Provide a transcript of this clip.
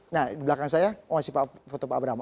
nah di belakang saya masih pak foto pak abraham